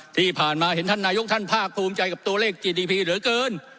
ที่ผ่านมาเห็นท่านนายกท่านภาคภูมิใจกับตัวเลขจีดีพีเหลือเกิน